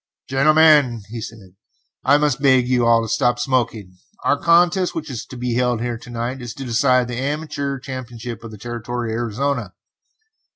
"Gentlemen," he said, "I must beg you all to stop smoking. The contest which is to be held here to night is to decide the Amateur Championship of the Territory of Arizona.